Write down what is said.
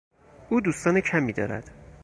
او دوستان کمی دارد.